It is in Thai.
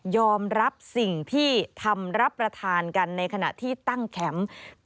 รับสิ่งที่ทำรับประทานกันในขณะที่ตั้งแคมป์